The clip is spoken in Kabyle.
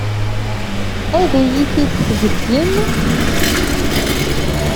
Ad iyi-t-id-theggim?